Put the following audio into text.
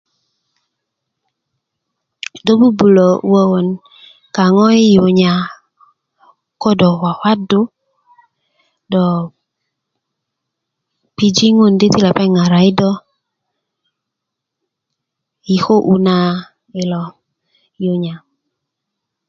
do bubulö wökön kaŋo yi yunya ko do kwakwaddu do piji' ŋun di ti lepeŋ ŋaraki do yi köu na yilo yunya